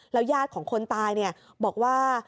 ญาติของคนตายบอกว่า